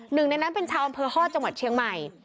หนึ่งในนั้นเป็นชาวอำเภอฮอตจังหวัดเชียงใหม่